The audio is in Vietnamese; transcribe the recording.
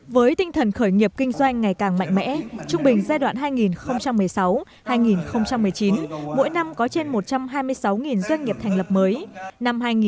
với tinh thần khởi nghiệp kinh doanh ngày càng mạnh mẽ trung bình giai đoạn hai nghìn một mươi sáu hai nghìn một mươi chín mỗi năm có trên một trăm hai mươi sáu doanh nghiệp thành lập mới